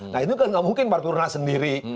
nah itu kan nggak mungkin parkurna sendiri